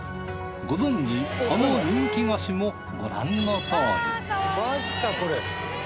ご存じあの人気菓子もご覧のとおりマジかこれ。